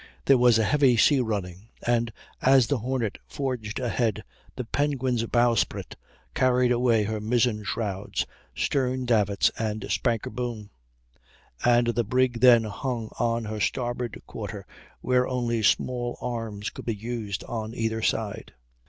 There was a heavy sea running, and as the Hornet forged ahead, the Penguin's bowsprit carried away her mizzen shrouds, stern davits, and spanker boom; and the brig then hung on her starboard quarter, where only small arms could be used on either side.